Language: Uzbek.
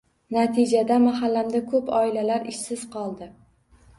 Natijada, mahallamda ko‘plab oilalar ishsiz qoldi.